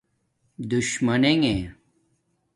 دُشمنݣے